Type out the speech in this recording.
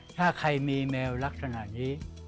ถ้าใครมีแมวลักษณะนี้